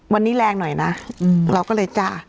วันนี้แรงหน่อยนะเราก็เลยจ้า